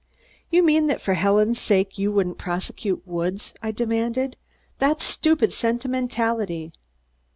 "You mean that for Helen's sake you wouldn't prosecute Woods?" I demanded. "That's stupid sentimentality."